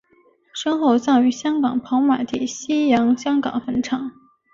身后葬于香港跑马地西洋香港坟场。